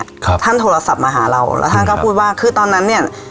ครับท่านโทรศัพท์มาหาเราแล้วท่านก็พูดว่าคือตอนนั้นเนี้ย